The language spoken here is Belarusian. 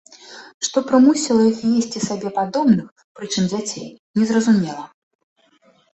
Што прымусіла іх есці сабе падобных, прычым дзяцей, незразумела.